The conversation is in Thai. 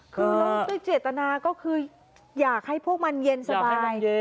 คือด้วยเจตนาก็คืออยากให้พวกมันเย็นสบาย